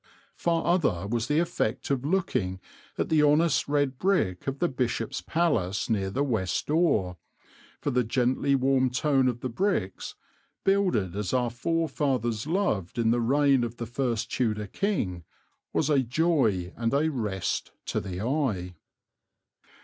Far other was the effect of looking at the honest red brick of the Bishop's Palace near the west door, for the gently warm tone of the bricks builded as our forefathers loved in the reign of the first Tudor king, was a joy and a rest to the eye.